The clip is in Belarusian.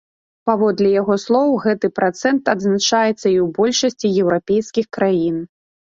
Паводле яго слоў, гэты працэнт адзначаецца і ў большасці еўрапейскіх краін.